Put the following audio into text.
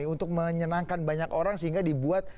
untuk menyenangkan banyak orang sehingga dibuat